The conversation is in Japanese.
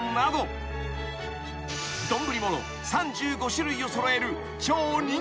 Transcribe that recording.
［丼物３５種類を揃える超人気店］